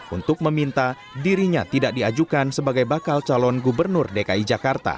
untuk meminta dirinya tidak diajukan sebagai bakal calon gubernur dki jakarta